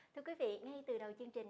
thưa quý vị ngay từ đầu chương trình